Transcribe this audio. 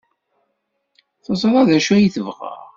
Teẓra d acu ay tebɣa.